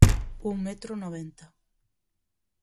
Un metro noventa.